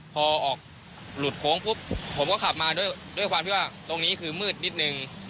พอออกหลุดโค้งปุ๊บผมก็ขับมาด้วยความที่ว่าตรงนี้คือมืดนิดนึง